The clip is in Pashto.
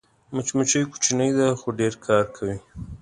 مچمچۍ کوچنۍ ده خو ډېر کار کوي